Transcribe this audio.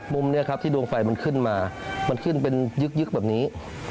มุมนี้ครับที่ดวงไฟมันขึ้นมามันขึ้นเป็นยึกแบบนี้